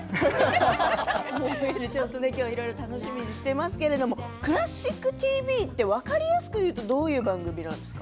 いろいろ楽しみにしていますが、「クラシックＴＶ」って分かりやすく言うとどういう番組なんですか。